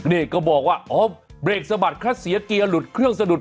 นี่ก็บอกว่าอ๋อเบรกสะบัดแค่เสียเกียร์หลุดเครื่องสะดุด